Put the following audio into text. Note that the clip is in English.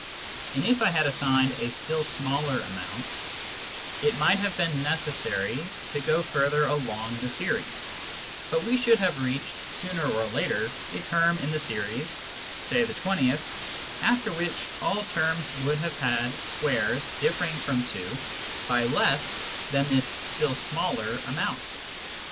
And if I had assigned a still smaller amount, it might have been necessary to go further along the series, but we should have reached sooner or later a term in the series, say the twentieth, after which all terms would have had squares differing from 2 by less than this still smaller amount.